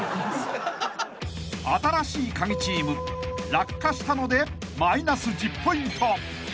［新しいカギチーム落下したのでマイナス１０ポイント］